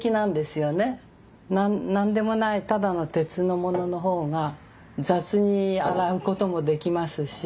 何でもないただの鉄のものの方が雑に洗うこともできますし。